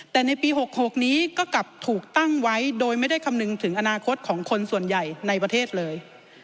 แต่ในปี๖๖นี้ก็กลับถูกตั้งไว้โดยไม่ได้คำนึงถึงอนาคตของคนส่วนใหญ่ในประเทศเลย